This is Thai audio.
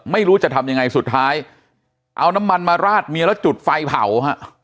ไม่รู้จะทำยังไงสุดท้ายเอาน้ำมันมาราดเมียแล้วจุดไฟเผาฮะ